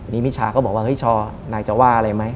นี่มิชาก็บอกว่าเฮ้ยชอนายจะว่าอะไรไหม